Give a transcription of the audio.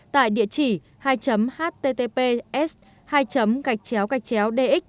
tại địa chỉ hai https hai xxdx mic gov vn